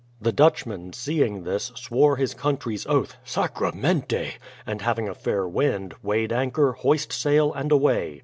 The Dutchman, seeing this, swore his country's oath, "sacramente," and having a fair wind, weighed an chor, hoist sail, and away